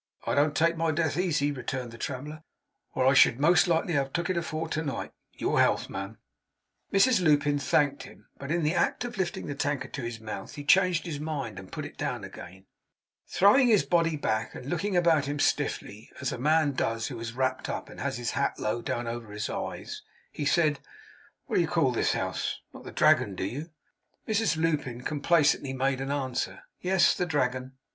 'I don't take my death easy,' returned the traveller; 'or I should most likely have took it afore to night. Your health, ma'am!' Mrs Lupin thanked him; but in the act of lifting the tankard to his mouth, he changed his mind, and put it down again. Throwing his body back, and looking about him stiffly, as a man does who is wrapped up, and has his hat low down over his eyes, he said: 'What do you call this house? Not the Dragon, do you?' Mrs Lupin complacently made answer, 'Yes, the Dragon.